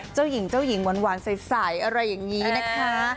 เจ้าหญิงเจ้าหญิงหวานใสอะไรอย่างนี้นะคะ